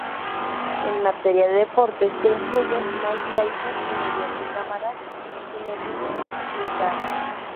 En materia de deportes, se incluyen Mike Tyson, y mediante cámaras Zinedine Zidane.